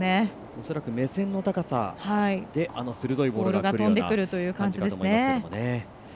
恐らく目線の高さであの鋭いボールが来るような感じですよね。